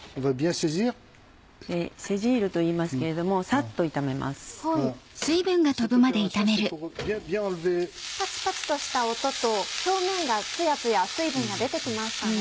シャキシャキとした音と表面がつやつや水分が出て来ましたね。